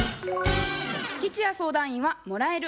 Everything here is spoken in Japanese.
吉弥相談員は「もらえる」